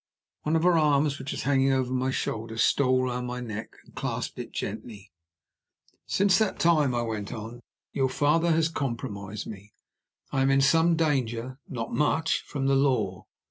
One of her arms, which was hanging over my shoulder, stole round my neck, and clasped it gently. "Since that time," I went on, "your father has compromised me. I am in some danger, not much, from the law.